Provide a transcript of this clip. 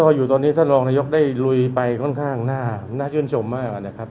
พออยู่ตอนนี้ท่านรองนายกได้ลุยไปค่อนข้างน่าชื่นชมมากนะครับ